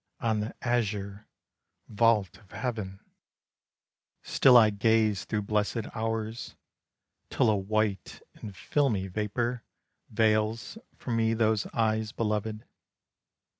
On the azure vault of heaven, Still I gaze through blessed hours, Till a white and filmy vapor Veils from me those eyes belovèd.